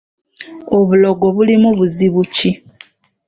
Obulogo bulimu buzibu ki?